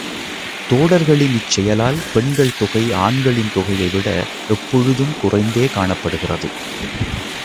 தோடர்களின் இச்செயலால் பெண்கள் தொகை ஆண்களின் தொகையைவிட எப் பொழுதும் குறைந்தே காணப்படுகிறது.